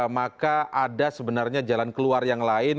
maka ada sebenarnya jalan keluar yang lain